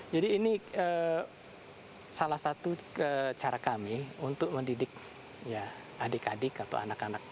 jadi ini salah satu cara kami untuk mendidik adik adik atau anak anak